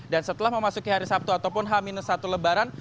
dan setelah memasuki hari sabtu ataupun h satu lebaran